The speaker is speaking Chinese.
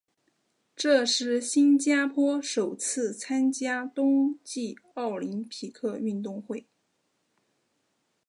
这是新加坡首次参加冬季奥林匹克运动会。